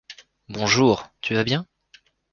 Bonjour, tu vas bien ?